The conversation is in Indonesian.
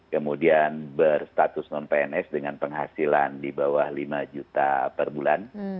kemudian berstatus non pns dengan penghasilan di bawah lima juta per bulan